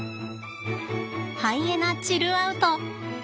ハイエナチルアウト！